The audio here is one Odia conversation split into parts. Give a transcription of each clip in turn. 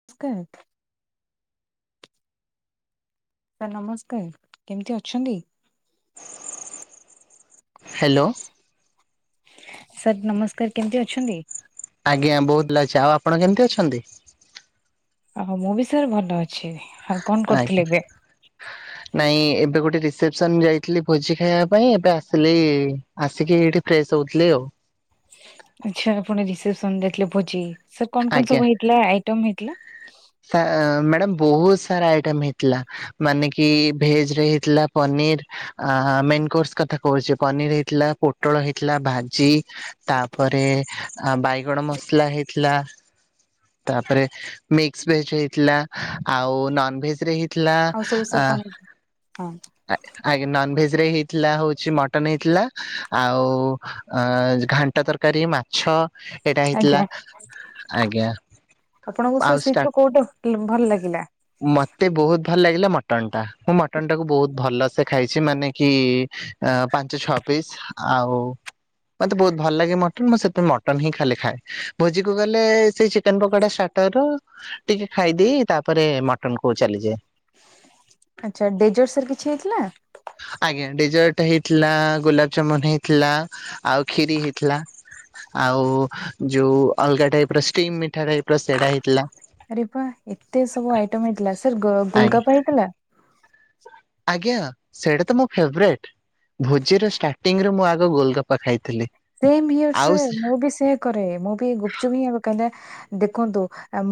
ନମସ୍କାର। ସାର୍ ନମସ୍କାର କେମିତି ଅଛନ୍ତି? ହ୍ୟାଲୋ। ସାର୍ ନମସ୍କାର କେମତି ଅଛନ୍ତି? ଆଜ୍ଞା, ବହୁତ ଭଲ ଅଛି ଆଉ ଆପଣ କେମିତି ଅଛନ୍ତି? ଆଉ ମୁଁ ବି ସାର ଭଲ ଅଛି। ଆଉ କଣ କରୁଥିଲେ ଆଜ୍ଞା। ଏବେ? [inaudible] ନାଇଁ ଏବେ ଗୋଟେ ରିସେପସନ ଯାଇଥିଲି ଭୋଜି ଖାଇବା ପାଇଁ ଏବେ ଆସିଲିଇ ଆସିକି ଏଇଠି ଫ୍ରେଶ ହଉଥିଲି ଆଉ। ଆଛା ଆପଣ ରିସେପସନ ଯାଇଥିଲେ। ଭୋଜି ସାର୍ କଣ କଣ ସବୁ ହେଇଥିଲା ଆଇଟମ ହେଇଥିଲା? ମ୍ୟାଡ଼ମ ବହୁତ ସାରା ଆଇଟମ ହେଇଥିଲା। ମାନେ କି ଭେଜ ରେ ହେଇଥିଲା। ପନିର, ମେନକୋର୍ସ କଥା କହୁଛି ପନିର ହେଇଥିଲା, ପୋଟଳ ହେଇଥିଲା, ଭାଜି ତାପରେ ବାଇଗଣ ମସଲା ହେଇଥିଲା। ତାପରେ ମିକ୍ସ ଭେଜ ହେଇଥିଲା। ଆଉ ନନ ଭେଜରେ ହେ ଥିଲା ଆଉ ସବୁ ସାର୍ ଆ କଣ ହେଇଥିଲା ହଁ ଆଜ୍ଞା ଆଜ୍ଞା ନନଭେଜ୍ ରେ ହେଇଥିଲା ହଉଛି ମଟନ୍ ହେଇଥିଲା ଆଉ ଘାଣ୍ଟ ତ ତର୍କାରୀ ମାଛ। ଏଇଟା ହେଇଥିଲା ଆଜ୍ଞା ଆଜ୍ଞା ଆପଣଙ୍କୁ ସାର୍ ଆଉ ଷ୍ଟା ସେଇଥିରୁ କୋଉଟା ଭ ଭଲ୍ ଲାଗିଲା? ମତେ ବହୁତ୍ ଭଲ ଲାଗିଲା ମଟନ୍ ଟା ମୁଁ ମଟନ୍ ଟାକୁ ବହୁତ୍ ଭଲ ସେ ଖାଇଚି ମାନେ କି ଆ ପାଞ୍ଚ, ଛଅ ପିସ୍ ଆଉ ମତେ ବହୁତ୍ ଭଲ ଲାଗେ ମଟନ୍ ମୁଁ ସେଥି ମଟନ୍ ହିଁ ଖାଲି ଖାଏ ଭୋଜି କୁ ଗଲେ ସେଇ ଚିକେନ ପକୋଡ଼ା ତାର ଟିକେ ଖାଇଦେଇ ତାପରେ ମଟନ୍ କୁ ଚାଲିଯାଏ। ଆଚ୍ଛା ଡେଜର୍ସରେ କିଛି ହେଇଥିଲା? ଆଜ୍ଞା ଡେଜର୍ଟ ହେଇଥିଲା ଗୋଲାପଜାମୁନ୍ ହେଇଥିଲା ଆଉ କ୍ଷୀରି ହେଇଥିଲା। ଆଉ ଯୋଉ ଅଲଗା ଟାଇପ୍ ର ଷ୍ଟିମି ମିଠା ଟାଇପ୍ ର ସେଟା ହେଇଥିଲା। ଆରେ ବା ଏତେ ସବୁ ଆଇଟମ୍ ହେଇଥିଲା ସାର୍ ଗୋଲ ଗୋଲ୍ ଆଜ୍ଞା କପା ହେଇଥିଲା। ଆଜ୍ଞା ସେଇଟା ତ ମୋ ଫେବ୍ରେଟ୍। ଭୋଜିର ଷ୍ଟାର୍ଟିଂରେ ମୁଁ ଆଗ ଗୋଲ୍ କପା ଖାଇଥିଲି। ସେମ୍ ଇଅର ଆଉ ସାର୍ ମୁଁ ବି ସେଇଆ କରେ ମୁଁ ବି ଗୁପ୍ ଚୁପ୍ ହିଁ ଆଗ କାହିଁକି ନା ଦେଖନ୍ତୁ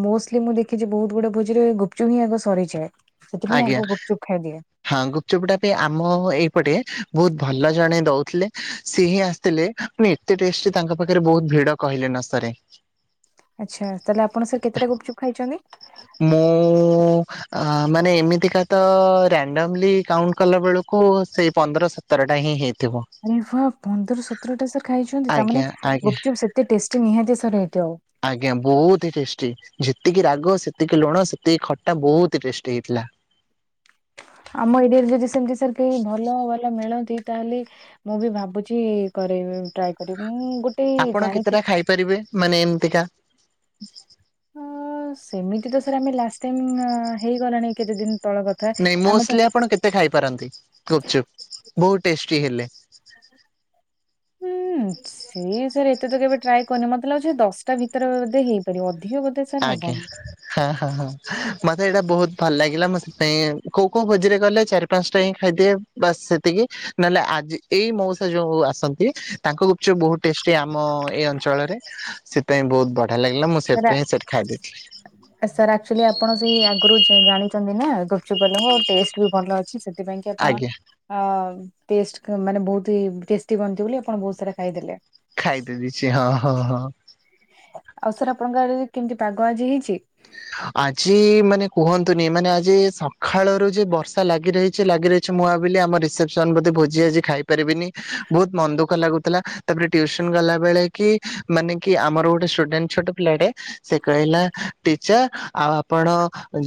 ମୋଷ୍ଟଲି ମୁଁ ଦେଖିଚି ବହୁତ୍ ଗୁଡେ ଭୋଜିରେ ଗୁପ୍ ଚୁପ୍ ହିଁ ଆଗ ସରିଯାଏ। ସେଥିପାଇଁ ଆଗ ଆଜ୍ଞା। ଗୁପଚୁପ୍ ଖାଇଦିଏ। ହଁ ଗୁପ୍ ଚୁପ୍ ଟା ବି ଆମ ଏଇପଟେ ବହୁତ୍ ଭଲ ଜଣେ ଦଉଥିଲେ ସିଏ ହିଁ ଆସିଥିଲେ। ମାନେ ଏତେ ଟେଷ୍ଟ୍ ତାଙ୍କ ପାଖରେ ବହୁତ୍ ଭିଡ କହିଲେ ନ ସରେ। ଆଚ୍ଛା ତାଏଲେ ଆପଣ ସାର୍ କେତେଟା ଗୁପ୍ ଚୁପ ଖାଇଚନ୍ତି? ମୁଁ ଆ ମାନେ ଏମିତିକା ତ ରାଣ୍ଡମ୍ଲି କାଉଣ୍ଟ୍ କଲା ବେଳକୁ ସେଇ ପନ୍ଦର ସତ ସତର ଟା ହିଁ ହେଇଥିବ। ଆରେ ହଁ ପନ୍ଦର, ସତରଟା ସାର୍ ଖାଇଚନ୍ତି ତାମାନେ ଆଜ୍ଞା ଆଜ୍ଞା ଗୁପ୍ ଚୁପ୍ ସେତେ ଟେଷ୍ଟି ନିହାତି ସାର୍ ହେଇଥିବ। ଆଜ୍ଞା ବହୁତ୍ ଟେଷ୍ଟି ଯେତିକି ରାଗ ସେତିକି ଲୁଣ ସେତିକି ଖଟା ବହୁତ୍ ଟେଷ୍ଟି ହେଇଥିଲା। ଆମ ଏରିଆରେ ଯଦି ସେମିତି ସାର୍ କେହି ଭଲ ଭଲ ମିଳନ୍ତି ତାହେଲେ ମୁଁ ବି ଭାବୁଛି କରେଇବି ଟ୍ରାଏ କରିବି ମୁଁ ଗୋଟେ ଆପଣ କେତେଟା ଜାଣିଥିଲି ଖାଇପାରିବେ ମାନେ ଏମିତିକା? ଅ ସେମିତି ତ ସାର୍ ଆମେ ଲାଷ୍ଟ୍ ଟାଇମ୍ ଅ ହେଇଗଲାଣି କେତେ ଦିନି ତଳ କ ନାଇଁ ମୋଷ୍ଟଲି ଆପଣ କେତେ ଖାଇପାରନ୍ତି ଗୁପ୍ ଚୁପ୍ ବହୁତ୍ ଟେଷ୍ଟି ହେଲେ। ହୁଁ ସିଏ ସାର୍ ଏତେ ତ କେବେ ଟ୍ରାଏ କରନି ମତେ ଲାଗୁଛି ଦଶଟା ଭିତରେ ବୋଧେ ହେଇ ପାରିବ ଅଧିକ ବୋଧେ ସାର ଆଜ୍ଞା ହବନି। ହଁ ହଁ ହଁ ମତେ ଏଇଟା ବହୁତ୍ ଭଲ ଲାଗିଲା ମୁଁ ସେଥିପାଇଁ କୋଉ କୋଉ ଭୋଜିରେ ଗଲେ ଚାରି ପାଂଟା ହିଁ ଖାଇଦିଏ ବାସ୍ ସେତିକି ନହେଲେ ଆଜି ଏଇ ମଉସା ଯୋଉ ଆସନ୍ତି ତାଙ୍କ ଗୁପ୍ ଚୁପ୍ ବହୁତ ଟେଷ୍ଟି ଆମ ଏ ଅଞ୍ଚଳରେ ସେଥିପାଇଁ ବହୁତ୍ ବଢିଆ ଲାଗିଲା ମୁଁ ସେରା ସେଥିପାଇଁ ସେଟ୍ ଖାଇ ଦେଇଥିଲି। ସାର୍ ଆକ୍ଚୁଲି ଆପଣ ସେଇ ଆଗରୁ ଜ ଜାଣିଚନ୍ତି ନା ଗୁପ୍ ଚୁପ୍ ବାଲାଙ୍କ ଟେଷ୍ଟ ବି ଭଲ ଅଛି ସେଥିପାଇଁ କି ଆପଣ ଆଜ୍ଞା ଅ ଟେଷ୍ଟ୍ ମାନେ ବହୁତି ଟେଷ୍ଟି ବନିଚି ବୋଲି ଆପଣ ବହୁତ୍ ସାରା ଖାଇଦେଲେ। ଖାଇଦେ ଦେଇଛି ହଁ ହଁ ହଁ। ଆଉ ସାର୍ ଆପଣଙ୍କ ଆଡ଼େ କେମିତି ପାଗ ଆଜି ହେଇଚି। ଆଜି ମାନେ କୁହନ୍ତୁନି ମାନେ ଆଜି ସଖାଳରୁ ଯେ ବର୍ଷା ଲାଗି ରହି ଚି ଲାଗି ରହିଚି ମୁଁ ଆବିଲି ଆମ ରିପ୍ସେସନ ବୋଧେ ଭୋଜି ଆଜି ଖାଇପାରିବିନି ବହୁତ୍ ମନ ଦୁଃଖ ଲାଗୁଥିଲା। ତାପରେ ଟ୍ୟୁଉସନ୍ ଗଲା ବେଳେ କି ମାନେ କି ଆମର ଗୋଟେ ଷ୍ଟୁଡେଣ୍ଟ ଛୋଟ ପିଲାଟେ ସେ କହିଲା ଇଚ୍ଛା ଆଉ ଆପଣ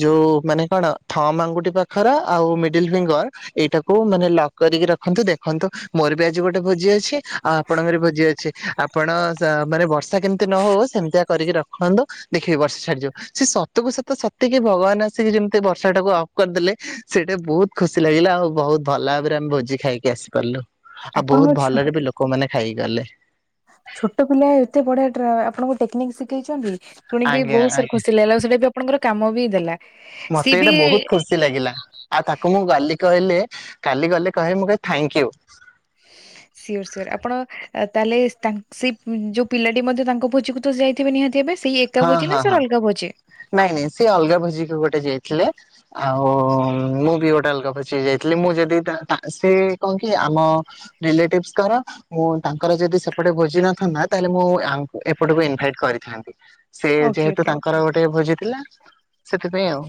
ଯୋଉ ମାନେ କଣ ଥମ ଆଙ୍ଗୁଠି ପାଖର ଆଉ ମିଡିଲ ଫିଙ୍ଗର୍ ଏଇଟାକୁ ମାନେ ଲକ୍ କରିକି ରଖନ୍ତୁ ଦେଖନ୍ତୁ ମୋର ବି ଆଜି ଗୋଟେ ଭୋଜି ଅଛି ଆଉ ଆପଣଙ୍କର ଭୋଜି ଅଛି ଆପଣ ସ ମାନେ ବର୍ଷା କେମିତି ନହଉ ସେମିତିଆ କରିକି ରଖନ୍ତୁ ଦେଖିବେ ବର୍ଷା ଛାଡି ଯିବ। ସେ ସତକୁ ସତ ସତିକି ଭଗବାନ ଆସିକି ଯେମିତି ବର୍ଷା ଟାକୁ ଅଫ୍ କରିଦେଲେ ସେଇଟା ବହୁତ୍ ଖୁସି ଲାଗିଲା ଆଉ ବହୁତ ଭଲ ଭାବରେ ଆମେ ଭୋଜି ଖାଇକି ଆସି ପାରିଲୁ। ଆଉ ଆପଣଙ୍କ ବହୁତ ଛୋ ଭଲରେ ବି ଲୋକମାନେ ଖାଇ ଗଲେ। ଛୋଟ ପିଲା ଏତେ ବଢିଆ ଟ୍ରା ଆପଣଙ୍କୁ ଟେକ୍ନିକ ଶିଖେଇଛନ୍ତି। ଶୁଣିକି ଆଜ୍ଞା ବହୁତ ସାର ଆଜ୍ଞା ଖୁସି ଲାଗିଲା ଆଉ ସେଇଟା ବି ଆପଣଙ୍କର କାମ ବି ଦେଲା। ସିଏ ମତେ ବି ଏଇଟା ବହୁତ ଖୁସ ସି ଲାଗିଲା ଆଉ ତାକୁ ମୁଁ ଗାଲି କହିଲେ କାଲି ଗଲେ କହିବି ମୁଁ ଥାଙ୍କ ୟୁ। [inaudible] ସିଓର ସିଓର ଆପଣ ତାହେଲେ ତାଙ୍କ ସେ ଯୋଉ ପିଲାଟି ମଧ୍ୟ ତାଙ୍କ ଭୋଜିକୁ ତ ଯାଇଥିବେ ନିହାତି ଭାବେ। ସେଇ ଏକା ହଁ ଭୋଜି ନା ହଁ ହଁ ସାର୍ ଅଲଗା ଭୋଜି? ନାଇଁ ନାଇଁ ସେ ଅଲଗା ଭୋଜି କୁ ଗୋଟେ ଯାଇଥିଲେ। ଆଉ ମୁଁ ବି ଗୋଟେ ଅଲଗା ଭୋଜି ଯାଇଥିଲି ମୁଁ ଯଦି ତା ସେ କଣ କି ଆମ ରିଲେଟିଭ୍ସଙ୍କର। ମୁଁ ତାଙ୍କର ଯଦି ସେପଟେ ଭୋଜି ନଥାନ୍ତା ତାହେଲେ ମୁଁ ୟାଙ୍କ ଏପଟକୁ ଇନଭାଇଟ୍ କରିଥାନ୍ତି। ସେ ଓକେ ଯେହେତୁ ଓକେ ତାଙ୍କର ଗୋଟେ ଭୋଜି ଥିଲା ସେଥିପାଇଁ ଆଉ।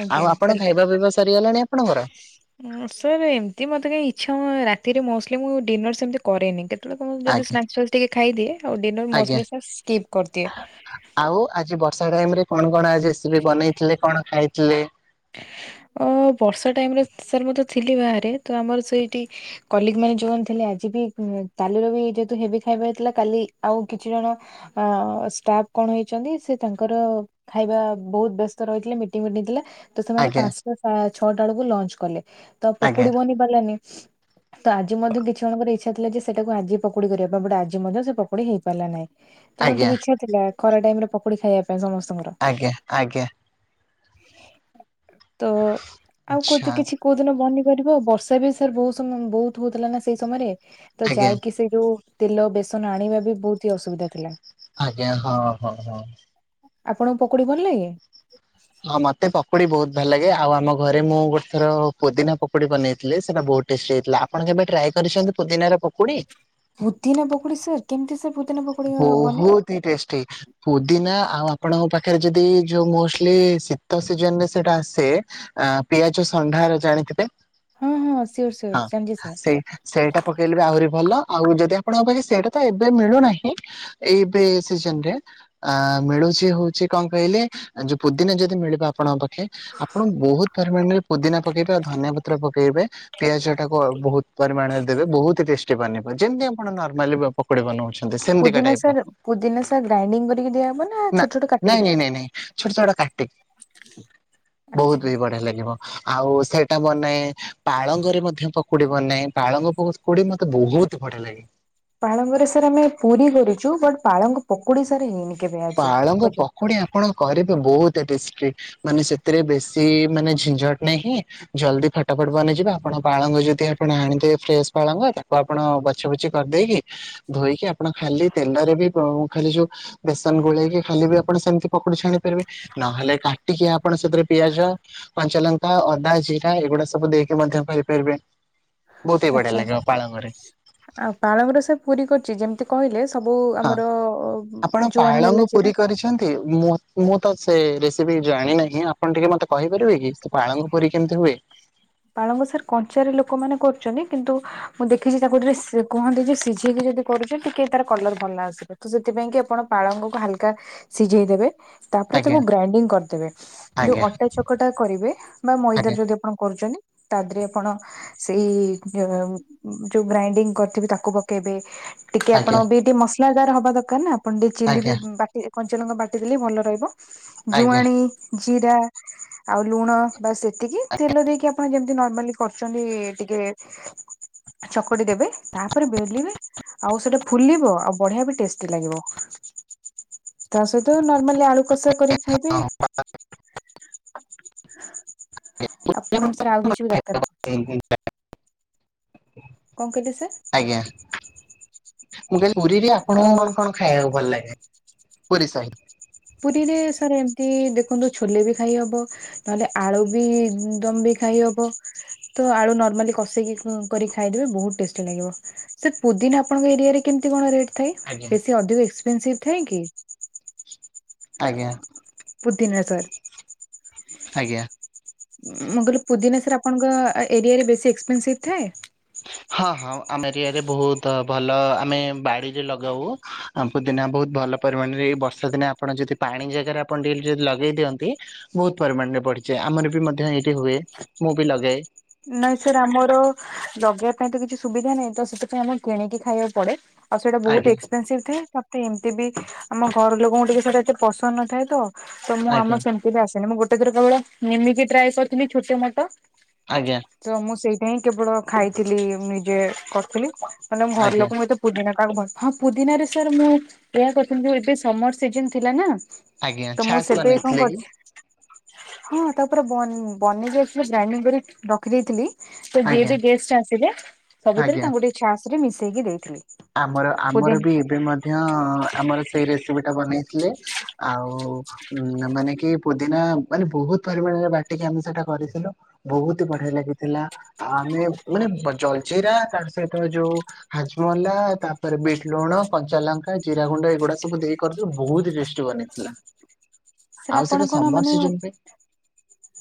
ଆଜ୍ଞା ଆଉ ଆପଣ ତାହେଲେ ଖାଇବା ପିଇବା ସରିଗଲାଣି ଆପଣଙ୍କର। ସାର୍ ଏମିତି ମତେ କାଇଁ ଇଚ୍ଛା ହୁ ରାତିରେ ମୋଷ୍ଟଲି ମୁଁ ଡିନର ସେମିତି କରେନି କେ [unintelligible] ଆଜ୍ଞା ସ୍ନାକ୍ସ ଟିକେ ଖାଇଦିଏ ଆଉ ଡିନର ଆଜ୍ଞା। ମୋଷ୍ଟଲି ସାର ସ୍କିପ୍ କରିଦିଏ। ଆଉ ଆଜି ବର୍ଷା ଟାଇମ ରେ କଣ କଣ ଆଜି ରେସିପି ବନେଇଥିଲେ କଣ ଖାଇଥିଲେ? ଅ ବର୍ଷା ଟାଇମ ରେ ସାର୍ ମୁତ ଥିଲି ବାହାରେ ତ ଆମର ସେଇଟି କଲିଗ ମାନେ ଯୋଉମାନେ ଥିଲେ ଆଜି ବି କାଲିର ବି ଯେହେତୁ ହେବି ଖାଇବା ହେଇ ଥିଲା କାଲି ଆଉ କିଛି ଜଣ ଅ ଷ୍ଟାଫ କଣ ହେଇଛନ୍ତି ସେ ତାଙ୍କର ଖାଇବା ବହୁତ ବ୍ୟସ୍ତ ରହିଥିଲେ ମିଟିଂ ଫିଟିଙ୍ଗ ଥିଲା। ତ ସେମାନେ ଆଜ୍ଞା। ପାଞ୍ଚସା ଛଅଟା ବେଳକୁ ଲଞ୍ଚ କଲେ ତ ଆଜ୍ଞା ପକୁଡି ବନି ପାରିଲାନି ତ ଆଜି ମଧ୍ୟ କିଛି ଜଣଙ୍କର ଇଚ୍ଛା ଥିଲା ଯେ ସେଟାକୁ ଆଜି ପକୁଡି କରିବା ପାଇଁ ବଟ ଆଜି ମଧ୍ୟ ସେ ପକୁଡି ହେଇ ପାରିଲା ନାହିଁ। ତେଣୁ ଆଜ୍ଞା ଟିକେ ଇଛା ଥିଲା ଖରା ଟାଇମ ରେ ପକୁଡି ଖାଇବା ପାଇଁ ସମସ୍ତଙ୍କର। ଆଜ୍ଞା ଆଜ୍ଞା। ତ ଆଉ ଆଚ୍ଛା କୋଇଥି କିଛି କୋଉ ଦିନ ବନି ପାରିବ ବର୍ଷା ବି ସାର୍ ବହୁତ ସମୟ ବହୁତ ହଉଥିଲା ନା ସେଇ ସମୟରେ। ତ ଆଜ୍ଞା ଯାଇକି ସେ ଯୋଉ ତେଲ ବେସନ ଆଣିବା ବି ବହୁତ ହି ଅସୁବିଧା ଥିଲା। ଆଜ୍ଞା ହଁ ହଁ ହଁ। ଆପଣଙ୍କୁ ପକୁଡି ଭଲ ଲାଗେ? ହଁ ମତେ ପକୁଡି ବହୁତ ଭଲ ଲାଗେ ଆଉ ଆମ ଘରେ ମୁଁ ଗୋଟେଥର ପୋଦିନା ପକୁଡି ବନେଇଥିଲି ସେଇଟା ବହୁତ ଟେଷ୍ଟି ହେଇଥିଲା ଆପଣ କେବେ ଟ୍ରାଏ କରିଛନ୍ତି ପୁଦିିନାର ପକୁଡି? ପୁଦିନା ପକୁଡି ସାର୍ କେମିତି ସାର୍ ପୁଦିନା ପକୁଡି ବନେ? ବହୁତ ଟେଷ୍ଟି ପୁଦିନା ଆଉ ଆପଣଙ୍କ ପାଖରେ ଯଦି ଯୋଉ ମ ଶୀତ ସିଜନ ରେ ସେଟା ଆସେ ପିଆଜ ସଣ୍ଢାର ଜାଣିଥିବେ। ହଁ ହଁ ସିଓର ସିଓର ହଁ ଜାଣିଛି ସାର୍ ସେଇ ସେଇଟା ପକେଇଲେ ବି ଆହୁରି ଭଲ ଆଉ ଯଦି ଆପଣଙ୍କ ପାଖେ ସେଇଟା ତ ଏବେ ମିଳୁନାହିଁ। ଏଇବେ ସିଜନ ରେ। ଆ ମିଳୁଛି ହଉଛି କଣ କହିଲେ ଯୋଉ ପୁଦିିନା ଯଦି ମିଳିବ ଆପଣଙ୍କ ପାଖେ ଆପଣ ବହୁତ ପରିମାଣରେ ପୁଦିନା ପକେଇବେ ଆଉ ଧନିଆ ପତ୍ର ପକେଇବେ। ପିଆଜ ଟାକୁ ବହୁତ ପରିମାଣରେ ଦେବେ ବହୁତ ଟେଷ୍ଟି ବନିବ ଯେମତି ଆପଣ ନର୍ମାଲି ପକୋଡି ବନଉଚ। ପୁଦିନା ସାର ପୁଦିନା ସାର ଗ୍ରାଇଣ୍ଡିଙ୍ଗ କରିକି ଦିଆହବ ନା ଛୋଟ ଛୋଟ ନାଇଁ କାଟିକି ଦବ। ନାଇଁ ନାଇଁ ନାଇଁ ଛୋଟ ଛୋଟ କାଟିକି। [inaudible] ବହୁତ ଆଚ୍ଛା। ବିି ବଢିଆ ଲାଗିବ। ଆଉ ସେଇଟା ବନାଏ ପାଳଙ୍ଗରେ ମଧ୍ୟ ପକୁଡି ବନାଏ ପାଳଙ୍ଗ ବହୁତ ପକୁଡି ମତେ ବହୁତ ବଢିଆ ଲାଗେ। ପାଳଙ୍ଗରେ ସାର୍ ଆମେ ପୁରୀ କରୁଛୁ ବଟ ପାଳଙ୍ଗ ପକୁଡି ସାର ହେଇନି। କେବେ ଆଜି ପାଳଙ୍ଗ ପର୍ଯ୍ୟନ୍ତ। ପକୋଡି ଆପଣ କରିବେ ବହୁତ ଟେଷ୍ଟି। ମାନେ ସେଥିରେ ବେଶୀ ମାନେ ଝି୍ନଝଟ ନାହିଁ। ଜଲ୍ଦି ଫଟା ଫଟ ବନେଇଯିବ ଆପଣ ପାଳଙ୍ଗ ଯଦି ଆପଣ ଆଣିଦେବେ ଫ୍ରେଶ ପାଳଙ୍ଗ ତାକୁ ଆପଣ ବଛ ବୁଛି କରିଦେଇକି ଧୋଇକି ଆପଣ ଖାଲି ତେଲରେ ବି ଖାଲି ଯୋଉ ବେସନ ଗୋଳେଇକି ଖାଲି ବି ଆପଣ ସେମିତି ପକୋଡି ଛାଣି ପାରିବେ ନହେଲେ କାଟିକି ଆପଣ ସେଥିରେ ପିଆଜ କଞ୍ଚଲଙ୍କା ଅଦା ଜିରା ଏଗୁଡା ସବୁ ଦେଇକି ମଧ୍ୟ କରିପାରିବେ। ବହୁତ ହି ବଢିଆ ଆଛା ଲାଗିବ ପାଳଙ୍ଗରେ ଆଉ ପାଳଙ୍ଗରେ ସାର୍ ପୁରୀ କରିଛି ଯେମିତି ତେ କହିଲେ ସବୁ ହଁ ଆମର ଆପଣ ପାଳଙ୍ଗ ଜୁଆଣିହେଲା ପୁରୀ ଜିରା ମୁଁ ତ ସେ ରେସିପି ଜାଣିନାହିଁ ଆପଣ ଟିକେ ମତେ କହିପାରିବେ କି ସେ ପାଳଙ୍ଗ ପୁରୀ କେମିତି ହୁଏ? ପାଳଙ୍ଗ ସାର କଞ୍ଚାରେ ଲୋକମାନୋନେ କରୁଛନ୍ତି କିନ୍ତୁ ମୁଁ ଦେଖିଛି ତାକୁ ଟିକେ କୁହନ୍ତି ଯେ ସିଝେଇକି ଯଦି କରୁଛ ଟିକେ ତାର କଲର ଭଲ ଆସିବ ତ ସେଥିପାଇଁ କି ଆପଣ ପାଳଙ୍ଗ କୁ ହାଲକା ସିଝେଇ ଦେବେ। ତାପରେ ତାକୁ ଆଜ୍ଞା ଗ୍ରାଇଣ୍ଡିଙ୍ଗ କରିଦେବେ ଯୋଉ ଆଜ୍ଞା ଅଟା ଚକଟା କରିବେ ବା ମଇଦାରେ ଆଜ୍ଞା ଯଦି ଆଣ କରୁଛନ୍ତି ତା ଦେହରେ ଆପଣ ସେଇ ଯୋଉ ଗ୍ରାଇଣ୍ଡିଙ୍ଗ କରିଥିବେ ତାକୁ ପକେଇବେ। ଟିକେ ଆପଣ ଆଜ୍ଞା ବି ଟିକେ ମସଲାଦାର ହବା ଦରକାର ନା ଆପଣ ଟିକେ ଚିଲି ବି ବାଟି କଞ୍ଚଲଙ୍କା ବାଟି ଦେଲେ ଭଲ ରହିବ ଆଜ୍ଞା ଆଜ୍ଞା ଜୁଆଣି ଜିରା ଆଉ ଲୁଣ ବା ସେତିକି ତେଲ ଦେଇକି ଆ ଆପଣ ଯେମତି ନର୍ମାଲି କରୁଛନ୍ତି ଟିକେ ଚକଟି ଦେବେ ତାପରେ ବେଲିବେ। ଆଉ ସେଟା ଫୁଲିବ ଆଉ ବଢିଆ ବି ଟେଷ୍ଟି ଲାଗିବ। ତା ସହିତ ନର୍ମାଲି ଆଳୁ କଷା କରିକି ଖାଇବେ। [inaudible] ମୁ ସେରେ ଆଉ କିଛି ବି ଦରକାର [inaudible] କଣ କହିଲେ ସାର୍? ଆଜ୍ଞା ମୁଁ କହିଲି ପୁରୀରେ ଅ ଆପଣଙ୍କୁ କଣ କଣ ଖାଇବାକୁ ଭଲ ଲାଗେ ପୁରୀ ସାହି? ପୁରୀରେ ସାର୍ ଏମିତି ଦେଖନ୍ତୁ ଛୋଲେ ବି ଖାଇହବ। ନହେଲେ ଆଳୁ ବି ଦମ ବି ଖାଇ ହବ। ତ ଆଳୁ ନର୍ମାଲି କଷେଇକି କରି ଖାଇଦେବେ ବହୁତ ଟେଷ୍ଟି ଲାଗିବ। ସାର୍ ପୋଦିିନା ଆପଣଙ୍କ ଏରିଆରେ କେମିତି କଣ ରେଟ୍ ଥାଏ ଆଜ୍ଞା ବେଶୀ ଅଧିକ ଏକ୍ସପେନ୍ସିଭ ଥାଏ କି? ଆଜ୍ଞା। ପୋଦିନା ସାର୍। ଆଜ୍ଞା ମୁଁ କହିଲି ପୋଦିନା ସାର୍ ଆପଣଙ୍କ ଏରିଆରେ ବେଶୀ ଏକ୍ସପେନ୍ସିଭ ଥାଏ? ହଁ ହଁ ଆମ ଏରିଆରେ ବହୁତ ଭଲ ଆମେ ବାଡିରେ ଲଗାଉ। ହଁ ପୋଦିନା ବହୁତ ଭଲ ପରିମାଣରେ ଏଇ ବର୍ଷା ଦିନେ ଆପଣ ଯଦି ପାଣି ଜାଗାରେ ଆପଣ ଡେଲି ଯଦି ଲଗେଇ ଦିଅନ୍ତି ବହୁତ ପରିମାଣରେ ବଢିଯାଏ ଆମର ବି ମଧ୍ୟ ଏଇଠି ହୁଏ ମୁଁ ବି ଲଗାଏ। ନାଇଁ ସାର୍ ଆମର ଲଗେଇବା ପାଇଁ ତ କିଛି ସୁବିଧା ନାହିଁ ତ ସେଥିପାଇଁ ଆମେ କିଣିକି ଖାଇବାକୁ ପଡେ। ଆଉ ସେଇଟା ଆଜ୍ଞା। ବହୁତ ଏକ୍ସପେନସିଭ ଥାଏ ମତେ ଏମିତି ବି ଆମ ଘର ଲୋକଙ୍କୁ ଟିକେ ସେଟା ଏତେ ପସନ୍ଦ ନଥାଏ ତ। ତ ମୁଁ ଆଜ୍ଞା ଆମର ସେମିତି ବି ଆସେନି ମୁଁ ଗୋଟେ ଥର କେବଳ ନିମିକି ଟ୍ରାଏ କରିଥିଲି ଛୋଟ ମୋଟ। ଆଜ୍ଞା। ତ ମୁଁ ସେଇଟା ହିଁ କେବଳ ଖାଇଥିଲି ନିଜେ କରିଥିଲି ମାନେ ଆମ ଘର ଆଜ୍ଞା ଲୋକଙ୍କୁ ଏତେ ପୁଦିନା କାହାକୁ କୁହନ୍ତି ହଁ ପୁଦିିନାରେ ସାର୍ ମୁଁ ଏହା କରିଥିଲି ଯୋଉ ଏବେ ସମର ସିଜିନ ଥିଲା ନା। ଆଜ୍ଞା ତ ମୁଁ ଛାସ୍ ସେବେ କଣ ବନେଇଥିଲେ କି କରିଛି? ହଁ ତାପରେ ବ ବନେଇ ଦେଇଥିଲି ଗ୍ରାଇଡିଙ୍ଗ୍ କରି ରଖିଦେଇଥିଲି। ଦି ଆଜ୍ଞା ଟି ଗେଷ୍ଟ ଆସିଲେ ସବୁଥିରେ ଆଜ୍ଞା। ତାଙ୍କୁ ଟିକେ ଚାଷରେ ମିଶେଇକି ଦେଇଥିଲି। ଆମର ଆମର ପୁଦିନା ବି ଏବେ ମଧ୍ୟ ଆମର ସେଇ ରେସିପି ଟା ବନେଇଥିଲେ ଆଉ। ହଉ ଉ ମାନେ କି ପୋଦିନା ମାନେ ବହୁତ ପରିମାଣରେ ବାଟିକି ଆମେ ସେଟା କରିଥିଲୁ। ବହୁତ୍ ବଢିଆ ଲାଗିଥିଲା। ଆମେ ମାନେ ଜଲଜିରା ତାର ସହିତ ଯୋଉ ହାଜମ ଲା ତାପରେ ବିଟ ଲୁଣ କଞ୍ଚା ଲଙ୍କା ଜିରା ଗୁଣ୍ଡ ଏଗୁଡା ସବୁ ଦେଇ କରିଥିଲୁ ବହୁତ ଟେଷ୍ଟି ବନିଥିଲା। ସାର୍ ଆପଣ କଣ ମାନେ ପାଇଁ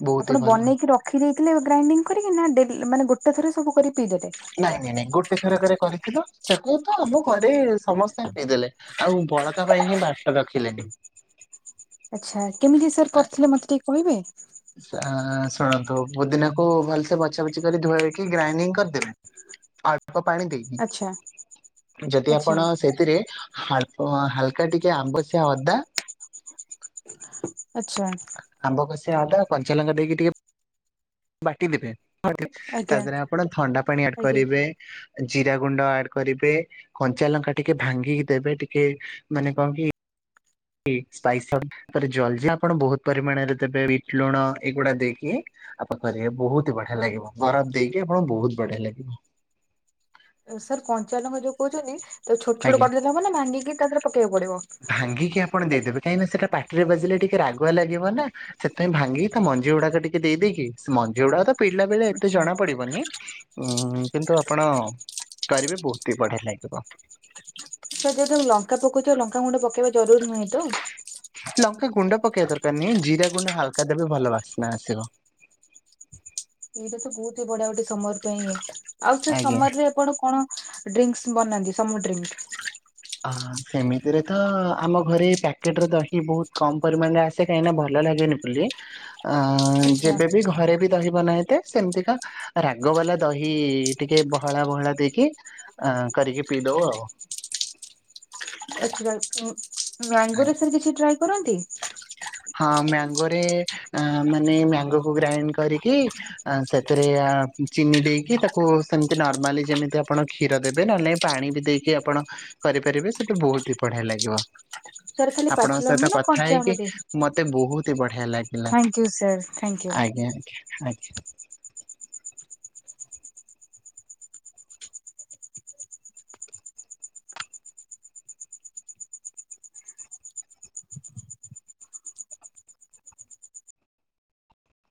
ବହୁତ ହି ଆପଣ ଭଲ। ବନେଇକି ରଖ ରଖି ଦେଇଥିଲେ ଗ୍ରାଇଣ୍ଡିଙ୍ଗ କରିକି ନା ଡେ ମାନେ ଗୋଟେ ଥରେ ସବୁ କରି ପିଇଦେଲେ। ନାଇଁ ନାଇଁ ନାଇଁ ଗୋଟେ ଥର କରେ କରିଥିଲୁ ତାକୁ ତ ଆମ ଘରେ ସମସ୍ତେ ପି ଦେଲେ। ଆଉ ବଳକା ପାଇଁ ହିଁ ବାଟ ରଖିଲେନି। ଆଛା କେମିତି ସାର୍ ଆ କରିଥିଲେ ମତେ ଟିକେ କହିବେ। ଶୁଣନ୍ତୁ ପୋଦିିନାକୁ ଭଲସେ ବଛା ବଛି କରି ଧୁଆଇକି ଗ୍ରାଇଣ୍ଡିଙ୍ଗ କରିଦେବେ। ଅଳ୍ପ ପାଣି ଦେଇକି ଆଚ୍ଛା ଯଦି ଆଚ୍ଛା ଆପଣ ସେଥିରେ ହାଳ୍ପ ହାଲକା ଟିକେ ଆବଶିଆ ଅଦା। ଆଛା। ଆମ୍ବ କସିଆ ଅଦା କଞ୍ଚା ଲଙ୍କା ଦେଇକି ଟିକେ ବାଟିଦେବେ ତା ଆଜ୍ଞା ଦେହରେ ଆପଣ ଥଣ୍ଡା ପାଣି ଆଡ୍ ଆଜ୍ଞା କରିବେ। ଜିରା ଗୁଣ୍ଡ ଆଡ୍ କରିବେ କଞ୍ଚା ଲଙ୍କା ଟିକେ ଭାଙ୍ଗିକି ଦେବେ ଟିକେ ମାନେ କଣ କି ସ୍ପାଇସମ୍ ତାରେ ଜଲଜିରା ଆପଣ ବହୁତ ପରିମାଣରେ ଦେବେ ବିଟ୍ ଲୁଣ ଏଗୁଡା ଦେଇକି ଆପଣକରିବେ ବହୁତ ବଢିଆ ଲାଗିବ ବରଫ ଦେଇକି ଆପଣ ବହୁତ ବଢିଆ ଲାଗିବ। ସାର୍ କଞ୍ଚା ଲଙ୍କା ଯୋଉ କହୁଛନ୍ତି ତାକୁ ଛୋଟ ଛୋଟ ଆଜ୍ଞା କରିଦେଲେ ହବ ନାଁ ଭାଙ୍ଗିକି ତା ଦେହରେ ପକେଇବାକୁ ପଡ଼ିବ। ଭାଙ୍ଗିକି ଆପଣ ଦେଇଦେବେ କାହିଁକିନା ସେଟା ପାଟିରେ ବାଜିଲେ ଟିକେ ରାଗୁଆ ଲାଗିବ ନା। ସେଥିପାଇଁ ଭାଙ୍ଗିକି ତା ମଞ୍ଜି ଗୁଡାକ ଟିକେ ଦେଇଦେଇକି ସେ ମଞ୍ଜି ଗୁଡାକ ତ ପିଲା ବେଳେ ଏତେ ଆଚ୍ଛା ଜଣା ପଡିବନି। ଉଁ କିନ୍ତୁ ଆପଣ କରିବେ ବହୁତି ବଢିଆ ଲାଗିବ। ସାର୍ ଯଦି ଲଙ୍କା ପକଉଚ ଲଙ୍କାଗୁଣ୍ଡ ପକେଇବା ଜରୁରୀ ନୁହେଁ ତ? ଲଙ୍କା ଗୁଣ୍ଡ ପକେଇବା ଦରକାର ନାହିଁ ଜିରା ଗୁଣ୍ଡ ହାଲକା ଦେବେ ଭଲ ବାସ୍ନା ଆସିବ। ଏଇଟା ତ ବହୁତି ବଢିଆ ଗୋଟେ ସମର ପାଇଁ ଆଉ ସେ ଆଜ୍ଞା। ସମରରେ ଆପଣ କଣ ଡ୍ରିଙ୍କ୍ସ୍ ବନାନ୍ତି ସମୁ ଡ୍ରିଙ୍କ୍। ହ ସେମିତିରେ ତ ଆମ ଘରେ ପ୍ୟାକେଟରେ ଦହି ବହୁତ କମ୍ ପରିମାଣରେ ଆସେ। ସେ କାହିଁକି ନାଁ ଭଲ ଲାଗେନି ବୋଲି। ଆଁ ଆଚ୍ଛା ଯେବେବି ଘରେ। ଦହି ବନାହେଇଥାଏ ସେମିତିକା ରାଗ ବାଲା ଦହି ଟିକେ ବହଳା ବହଳା ଦେଇକି। ଅ କରିକି ପିଇଦଉ ଆଉ। ଆଛା ଉଁ ମ୍ୟାଙ୍ଗୋ ସାର୍ କିଛି ଟ୍ରାଏ କରନ୍ତି। ହଁ ମ୍ୟାଙ୍ଗୋରେ ମାନେ ମ୍ୟାଙ୍ଗୋ କୁ ଗ୍ରାଇଣ୍ଡ କରିକି ଆ ସେଥିରେ ଚିନି ଦେଇକି, ତାକୁ ସେମିତି ନର୍ମାଲି ଯେମିତି ଆପଣ କ୍ଷୀର ଦେବେ, ନହେଲେ ନାଇଁ ପାଣି ବି ଦେଇକି ଆପଣ କରିପାରିବେ, ସେତ ବହୁତ ହି ବଢିଆ ଲାଗିବ। ସାର୍ ଖାଲି ଆପଣଙ୍କ ପାଚିଲା ସହିତ ଆମ୍ବ ନା କଥା କଞ୍ଚା ହେଇକି, ଆମ୍ବରେ ମତେ ବହୁତ ଏତେ ବଢିଆ ଲାଗିଲା, thank you sir thank you. ଆଜ୍ଞା ଆ ଆଜ୍ଞା।